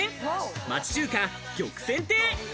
町中華・玉泉亭。